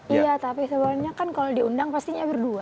iya tapi sebenarnya kan kalau diundang pastinya berdua